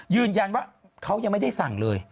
ยืนยันว่าเขายังไม่ได้สั่งเลย